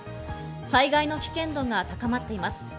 災害の危険度が高まっています。